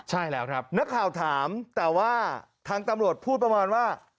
ใช่แล้วครับนักข่าวถามแต่ว่าทางตำรวจพูดประมาณว่า